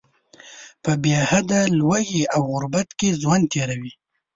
په بې حده ولږې او غربت کې ژوند تیروي.